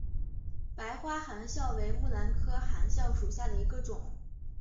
白花含笑为木兰科含笑属下的一个种。